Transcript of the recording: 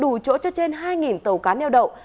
đủ chỗ cho trên hai tàu cá neo đậu